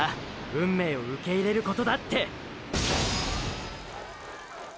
運命を受け入れること！！